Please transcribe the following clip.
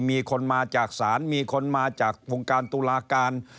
มีคนมาจากศาลมีคนมาจากวงการตุลาการ